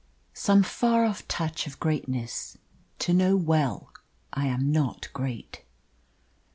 Some far off touch Of greatness, to know well I am not great.